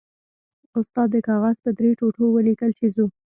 استاد د کاغذ په درې ټوټو ولیکل چې ځو.